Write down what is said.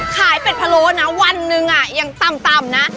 ขายเป็ดพะโล้นะวันนึงอ่ะยังต่ำนะ